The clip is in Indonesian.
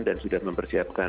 dan sudah mempersiapkan